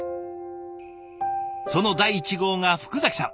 その第１号が福崎さん。